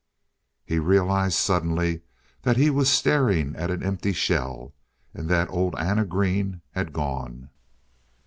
He realized suddenly that he was staring at an empty shell and that old Anna Green had gone....